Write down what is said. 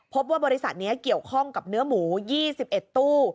บริษัทนี้เกี่ยวข้องกับเนื้อหมู๒๑ตู้